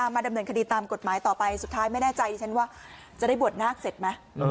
มาดำเนินคดีตามกฎหมายต่อไปสุดท้ายไม่แน่ใจฉันว่าจะได้บวชนาคเสร็จไหม